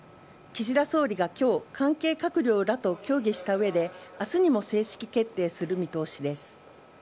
岸田総理がきょう、関係閣僚らと協議したうえで、あすにも正式決定する見通しです。